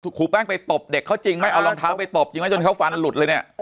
ครูแป้งไปตบเด็กเขาจริงไหมเอารองเท้าไปตบจริงไหมจนเขาฟันหลุดเลยเนี่ย